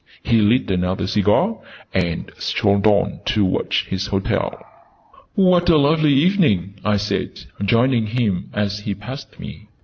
He lit another cigar, and strolled on towards his hotel. "What a lovely evening!" I said, joining him as he passed me.